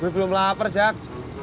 gue belum lapar jak